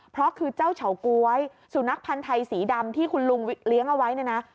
เพราะคือเจ้าเฉาก๊วยสุนัขพันธ์ไทยสีดำที่คุณลุงเลี้ยงเอาไว้เนี่ยนะ